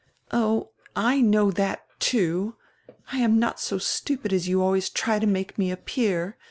"Oh, I know drat, too; I am not so stupid as you always try to make me appear.